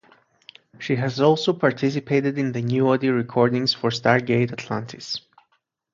She has also participated in the new audio recordings for "Stargate Atlantis".